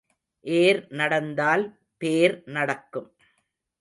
ஏர் நடந்தால் பேர் நடக்கும்.